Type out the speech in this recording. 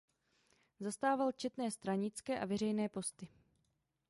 Zastával četné stranické a veřejné posty.